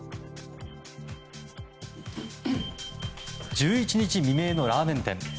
１１日未明のラーメン店。